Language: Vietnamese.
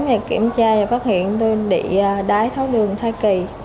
để kiểm tra và phát hiện tôi bị đáy tháo đường thai kỳ